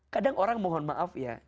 kadang orang mohon maaf ya